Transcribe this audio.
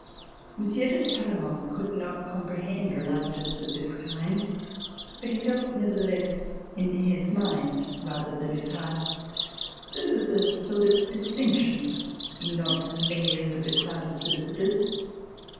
Monsieur de Talleyrand could not comprehend reluctance of this kind, but he felt, nevertheless, in his mind rather than his heart, that there was a sort of distinction in not mingling with the crowd of solicitors.